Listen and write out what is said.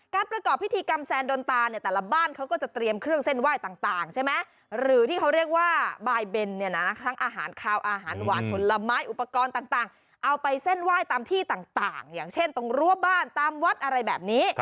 ประกอบพิธีกรรมแซนโดนตาเนี่ยแต่ละบ้านเขาก็จะเตรียมเครื่องเส้นไหว้ต่างใช่ไหมหรือที่เขาเรียกว่าบายเบนเนี่ยนะทั้งอาหารขาวอาหารหวานผลไม้อุปกรณ์ต่างเอาไปเส้นไหว้ตามที่ต่างอย่างเช่นตรงรั้วบ้านตามวัดอะไรแบบนี้